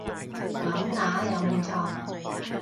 噉打有冇錯